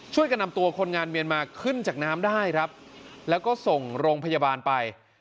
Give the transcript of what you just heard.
ช่วยกันนำตัวคนงานเมียนมาขึ้นจากน้ำได้ครับแล้วก็ส่งโรงพยาบาลไป